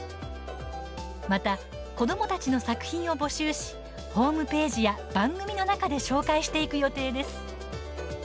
また、子どもたちの作品を募集しホームページや番組の中で紹介していく予定です。